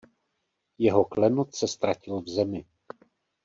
Jeho klenot se ztratil v zemi.